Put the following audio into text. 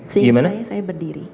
seingat saya saya berdiri